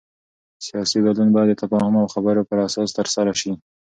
سیاسي بدلون باید د تفاهم او خبرو پر اساس ترسره شي